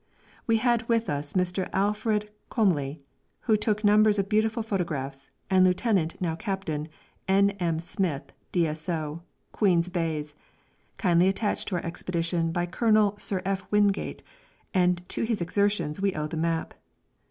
We had with us Mr. Alfred Cholmley, who took numbers of beautiful photographs, and Lieutenant, now Captain, N. M. Smyth, D.S.O., Queen's Bays, kindly attached to our expedition by Colonel Sir F. Wingate, and to his exertions we owe the map.